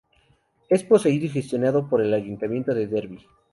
Es poseído y gestionado por el Ayuntamiento de Derby.